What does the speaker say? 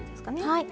はい。